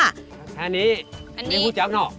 อันนี้ไม่พูดจับเนอะ